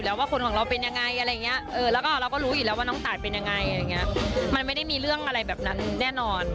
แล้วก็เราก็รู้อยู่แล้วว่าน้องตายเป็นยังไงมันไม่ได้มีเรื่องอะไรแบบนั้นแน่นอน